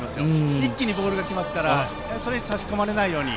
一気にボールが来ますからそれに差し込まれないように。